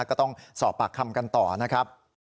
ก็ต้องสอบปากคำกันต่อนะครับ